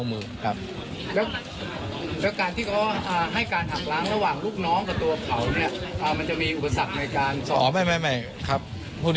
ไม่สัมภาษณ์ก็อยู่ในสำนวน